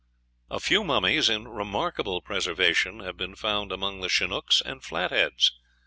"A few mummies in remarkable preservation have been found among the Chinooks and Flatheads."